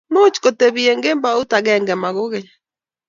much kotebii eng kembout agenge, ma kogeny?